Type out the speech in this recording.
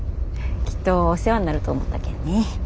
きっとお世話になると思ったけんね。